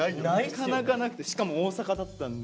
なかなかなくてしかも大阪だったんで。